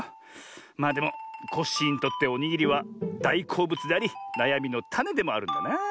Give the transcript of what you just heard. まあでもコッシーにとっておにぎりはだいこうぶつでありなやみのタネでもあるんだなあ。